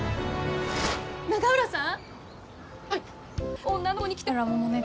永浦さん？